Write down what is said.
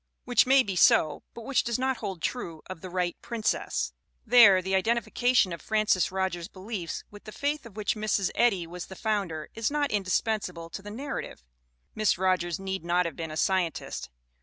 Which may be so but which does not hold true of The Right Princess. There the identification of 267 268 THE WOMEN WHO MAKE OUR NOVELS Frances Rogers's beliefs with the faith of which Mrs. Eddy was the founder is not indispensable to the narrative. Miss Rogers need not have been a Scien tist.